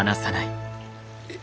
えっ。